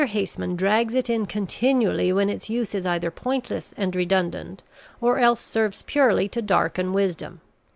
Haseman drags it in continually when its use is either pointless and redundant or else serves purely to darken wisdom.